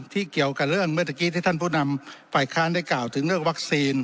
เกี่ยวกับเรื่องเมื่อตะกี้ที่ท่านผู้นำฝ่ายค้านได้กล่าวถึงเรื่องวัคซีน